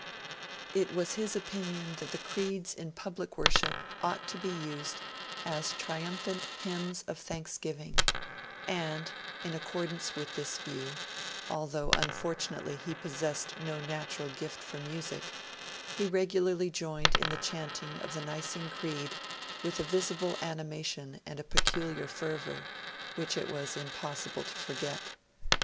It was his opinion that the creeds in public worship ought to be used as triumphant hymns of thanksgiving, and, in accordance with this view, although unfortunately he possessed no natural gift for music, he regularly joined in the chanting of the Nicene Creed with a visible animation and a peculiar fervour, which it was impossible to forget.